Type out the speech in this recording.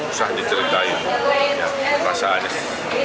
usah diceritain rasa aneh